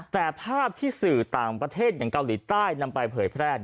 แต่ภาพที่สื่อต่างประเทศอย่างเกาหลีใต้นำไปเผยแพร่